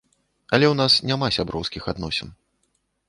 Але ў нас няма сяброўскіх адносін.